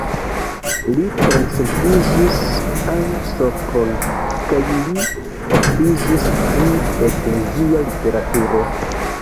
Li translokiĝis al Sopron kaj li okupiĝis pri eklezia literaturo.